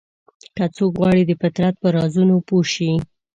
که څوک غواړي د فطرت په رازونو پوه شي.